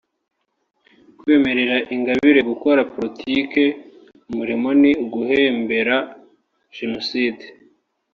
Kwemerera Ingabire gukora politike umurimo ni uguhembera Jenoside